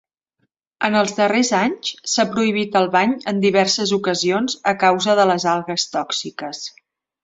En els darrers anys, s'ha prohibit el bany en diverses ocasions a causa de les algues tòxiques.